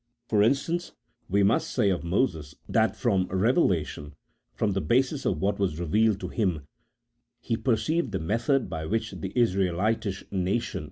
For instance, we must say of Moses that from revelation, from the basis of what was revealed to him, he perceived the method by which the Israelitish nation 64 A THEOLOGICO POLITICAL TREATISE.